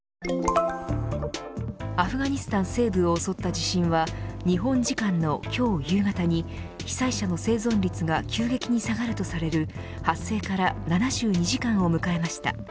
アフガニスタン西部を襲った地震は日本時間の今日夕方に被災者の生存率が急激に下がるとされる発生から７２時間を迎えました。